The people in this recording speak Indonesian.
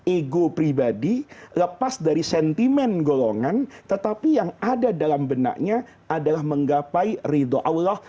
ego pribadi lepas dari sentimen golongan tetapi yang ada dalam benaknya adalah menggapai ridho allah